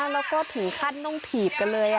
แล้วก็ถึงขั้นต้องถีบกันเลย